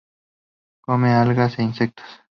Come algas e insectos.